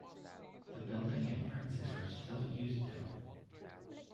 The building and premises are still used though.